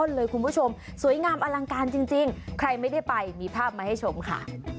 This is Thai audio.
เลยคุณผู้ชมสวยงามอลังการจริงใครไม่ได้ไปมีภาพมาให้ชมค่ะ